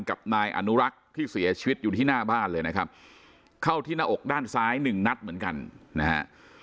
กับนายอนุรักษ์ที่เสียชีวิตอยู่ที่หน้าบ้านเลยนะครับเข้าที่หน้าอกด้านซ้ายหนึ่งนัดเหมือนกันนะฮะ